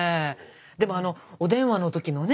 でもあのお電話の時のね